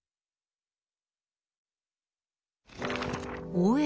大江